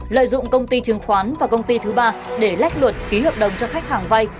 lợi dụng công ty chứng khoán và công ty thứ ba để lách luật ký hợp đồng cho khách hàng vay